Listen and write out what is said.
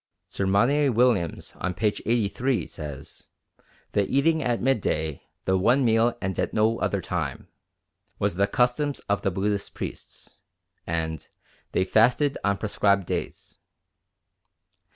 Sir Monier Williams on p. 83 says, "The eating at midday the one meal and at no other time" was the custom of the Buddhist priests, and they "fasted on prescribed days."